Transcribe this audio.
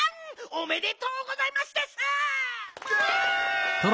おめでとうございますです！わ！